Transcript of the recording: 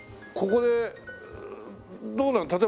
ここでどうなの？